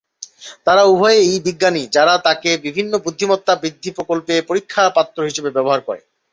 তারা উভয়েই বিজ্ঞানী যারা তাকে বিভিন্ন বুদ্ধিমত্তা বৃদ্ধি প্রকল্পে পরীক্ষা পাত্র হিসাবে ব্যবহার করে।